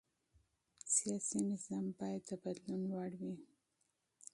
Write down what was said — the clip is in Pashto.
سیاسي نظام باید د بدلون وړ وي